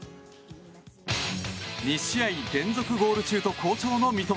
２試合連続ゴール中と好調の三笘。